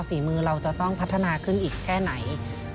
ฝีมือเราจะต้องพัฒนาขึ้นอีกแค่ไหน